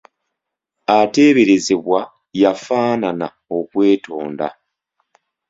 Ateeberezebwa yafaanana okwetonda.